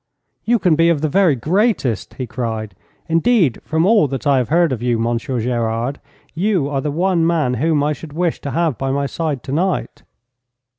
'You can be of the very greatest,' he cried. 'Indeed, from all that I have heard of you, Monsieur Gerard, you are the one man whom I should wish to have by my side tonight.'